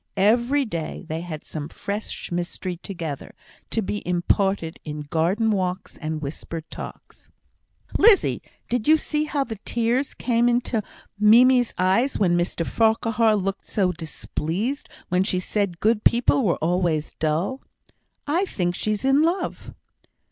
Every day they had some fresh mystery together, to be imparted in garden walks and whispered talks. "Lizzie, did you see how the tears came into Mimie's eyes when Mr Farquhar looked so displeased when she said good people were always dull? I think she's in love."